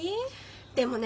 でもね